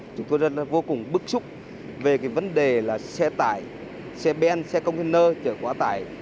chúng tôi rất vô cùng bức xúc về cái vấn đề là xe tải xe ben xe container chở quá tải